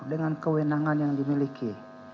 dengan kewenangan yang dimiliki